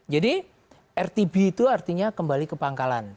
jadi rtb itu artinya kembali ke pangkalan